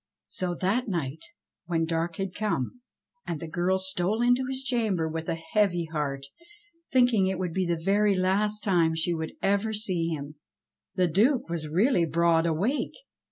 So that night when dark had come, and the girl stole in to his chamber with a heavy heart, thinking it would be the very last time she would ever see him, the Duke was really broad awake.